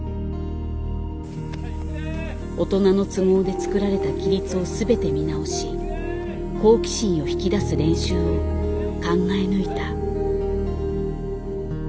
大人の都合で作られた規律を全て見直し好奇心を引き出す練習を考え抜いた。